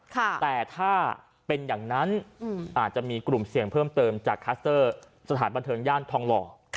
แต่ถ้าเป็นอย่างนั้นอาจจะมีกลุ่มเสี่ยงเพิ่มเติมจากคัสเตอร์สถานบันเทิงย่านทองหล่อ